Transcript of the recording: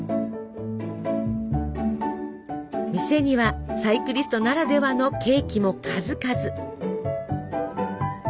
店にはサイクリストならではのケーキも数々。